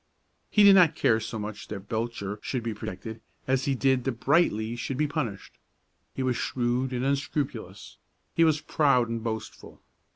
He did not care so much that Belcher should be protected as he did that Brightly should be punished. He was shrewd and unscrupulous; he was proud and boastful.